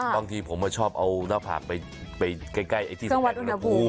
บางทีผมชอบเอาหน้าผากไปใกล้ไอ้ที่สัมผัสอุณหภูมิ